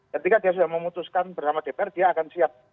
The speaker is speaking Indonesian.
ketika dia sudah memutuskan bersama dpr dia akan siap